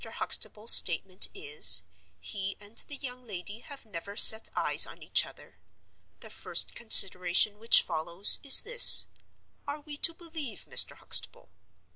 Huxtable's statement is—he and the young lady have never set eyes on each other. The first consideration which follows, is this: Are we to believe Mr. Huxtable?